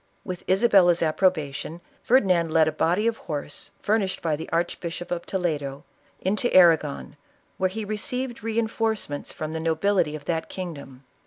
With Isabella's ap probation, Ferdinand led a body of horse furnished by the Archbishop of Toledo, into Arragon, where he re ceived reinforcements from the nobility of that king dom.